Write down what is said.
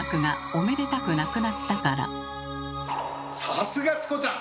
さすがチコちゃん！